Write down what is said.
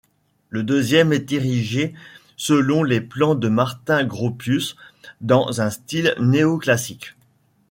Le deuxième est érigé selon les plans de Martin Gropius dans un style néoclassique.